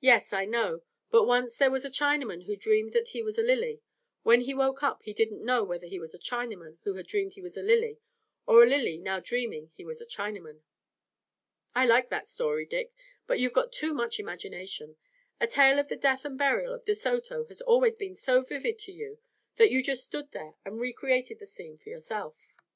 "Yes, I know, but once there was a Chinaman who dreamed that he was a lily. When he woke up he didn't know whether he was a Chinaman who had dreamed he was a lily or a lily now dreaming he was a Chinaman." "I like that story, Dick, but you've got too much imagination. The tale of the death and burial of De Soto has always been so vivid to you that you just stood there and re created the scene for yourself."